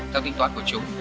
theo kinh toán của chúng